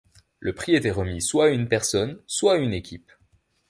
Le prix était remis soit à une personne, soit à une équipe.